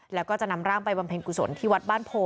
แล้วก็จะนำร่างไปบำเพ็ญกุศลที่วัดบ้านโพ